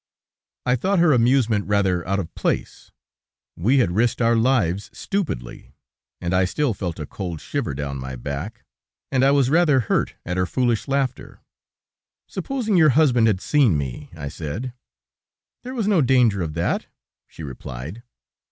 I thought her amusement rather out of place; we had risked our lives stupidly, and I still felt a cold shiver down my back, and I was rather hurt at her foolish laughter. "Supposing your husband had seen me?" I said. "There was no danger of that," she replied.